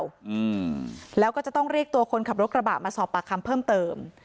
อืมแล้วก็จะต้องเรียกตัวคนขับรถกระบะมาสอบปากคำเพิ่มเติม